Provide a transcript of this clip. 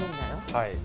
はい。